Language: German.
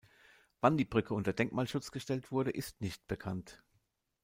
Wann die Brücke unter Denkmalschutz gestellt wurde, ist nicht bekannt.